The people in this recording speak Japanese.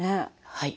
はい。